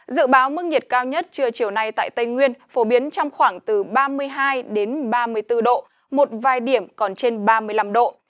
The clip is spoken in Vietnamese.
dự báo mức nhiệt cao nhất trưa chiều nay tại tây nguyên phổ biến trong khoảng từ ba mươi hai đến ba mươi bốn độ một vài điểm còn trên ba mươi năm độ